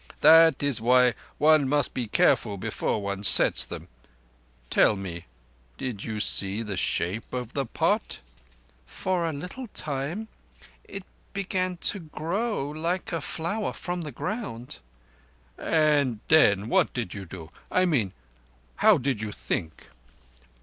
That is why one must be careful before one sets them. Tell me, did you see the shape of the pot?" "For a little time. It began to grow like a flower from the ground." "And then what did you do? I mean, how did you think?"